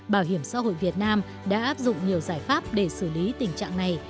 bảo hiểm xã hội việt nam đã áp dụng nhiều giải pháp để xử lý tình trạng này